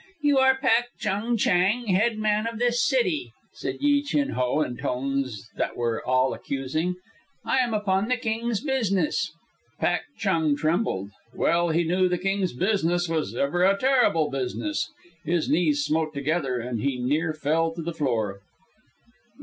"You are Pak Chung Chang, head man of this city," said Yi Chin Ho in tones that were all accusing. "I am upon the King's business." Pak Chung Chang trembled. Well he knew the King's business was ever a terrible business. His knees smote together, and he near fell to the floor.